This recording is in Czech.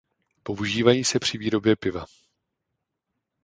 Používají se při výrobě piva.